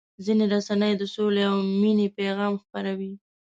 ځینې رسنۍ د سولې او مینې پیغام خپروي.